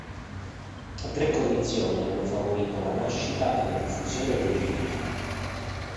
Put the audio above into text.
Tre condizioni hanno favorito la nascita e la diffusione dell"'hygge".